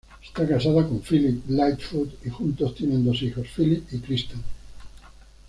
Esta casada con Philip Lightfoot y juntos tienen dos hijos Philip y Kristen.